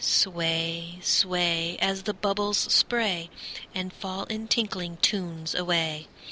Sway, sway, As the bubbles spray And fall in tinkling tunes away.